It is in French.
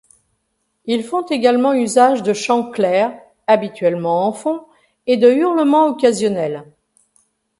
Ils font également usage de chants clairs, habituellement en fond, et de hurlements occasionnels.